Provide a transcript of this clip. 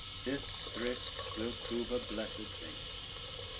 this thrift will prove a blessèd thing.